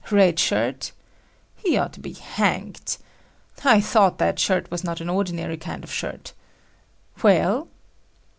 "Red Shirt? He ought be hanged. I thought that shirt was not an ordinary kind of shirt. Well?"